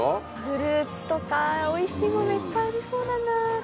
フルーツとかおいしいものいっぱいありそうだな。